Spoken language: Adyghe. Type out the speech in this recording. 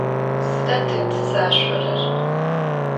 Sıda te tızaşsorer?